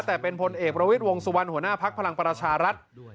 แต่เป็นพลเอกประวิทย์วงสุวรรณหัวหน้าภักดิ์พลังประชารัฐ